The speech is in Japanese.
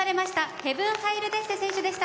ヘヴン・ハイル・デッセ選手でした。